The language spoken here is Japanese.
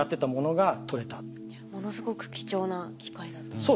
ものすごく貴重な機会だったんですね。